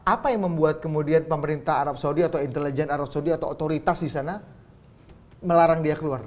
apa yang membuat kemudian pemerintah arab saudi atau intelijen arab saudi atau otoritas di sana melarang dia keluar